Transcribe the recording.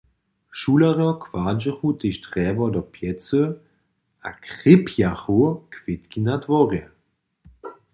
Šulerjo kładźechu tež drjewo do pjecy a krjepjachu kwětki na dworje.